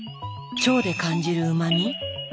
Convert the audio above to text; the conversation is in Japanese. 腸で感じるうま味？